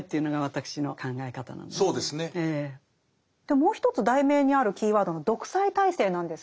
もう一つ題名にあるキーワードの「独裁体制」なんです